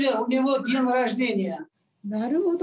なるほど。